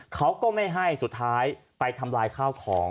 เขาก็ไม่ให้สุดท้ายไปทำลายข้าวของ